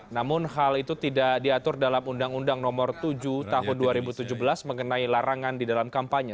namun hal itu tidak diatur dalam undang undang nomor tujuh tahun dua ribu tujuh belas mengenai larangan di dalam kampanye